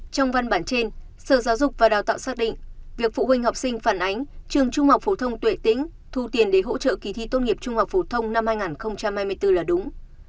trong văn bản trên sở giáo dục và đào tạo xác định việc phụ huynh học sinh phản ánh trường trung học phổ thông tuệ tĩnh thu tiền để hỗ trợ kỳ thi tốt nghiệp trung học phổ thông năm hai nghìn hai mươi bốn là đúng